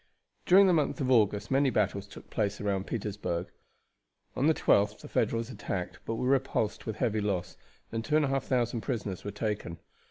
During the month of August many battles took place round Petersburg. On the 12th the Federals attacked, but were repulsed with heavy loss, and 2,500 prisoners were taken.